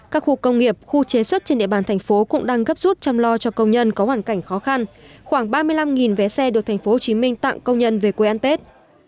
các khu công nghiệp khu chế xuất trên địa bàn thành phố cũng đang gấp rút chăm lo cho công nhân có hoàn cảnh khó khăn khoảng ba mươi năm vé xe được tp hcm tặng công nhân về quê ăn tết